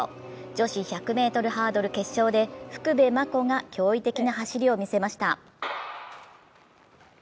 女子１００ｍハードル決勝で、福部真子が驚異的な走りを見せました。